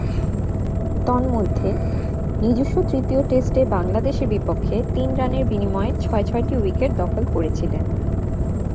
তন্মধ্যে, নিজস্ব তৃতীয় টেস্টে বাংলাদেশের বিপক্ষে তিন রানের বিনিময়ে ছয়-ছয়টি উইকেট দখল করেছিলেন।